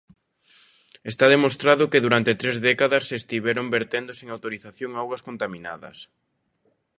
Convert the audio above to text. Está demostrado que durante tres décadas se estiveron vertendo sen autorización augas contaminadas.